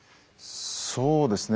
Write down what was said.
そうですね